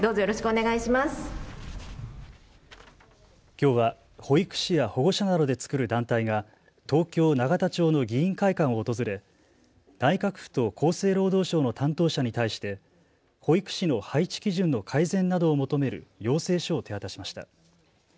きょうは保育士や保護者などで作る団体が東京永田町の議員会館を訪れ内閣府と厚生労働省の担当者に対して保育士の配置基準の改善などを求める要請書を手渡しました。